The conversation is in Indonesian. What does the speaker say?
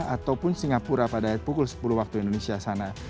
ataupun singapura pada pukul sepuluh waktu indonesia sana